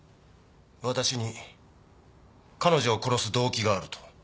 私に彼女を殺す動機があると？